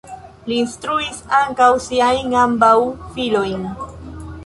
Li instruis ankaŭ siajn ambaŭ filojn.